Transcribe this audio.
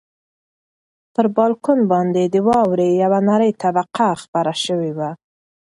پر بالکن باندې د واورې یوه نری طبقه خپره شوې وه.